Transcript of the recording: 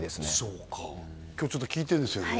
そうか今日ちょっと聞いてるんですよね？